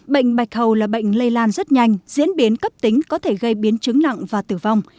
bệnh bạch hầu là bệnh lây lan rất nhanh diễn biến cấp tính có thể gây biến chứng nặng và tử vong